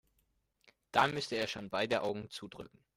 Da müsste er schon beide Augen zudrücken.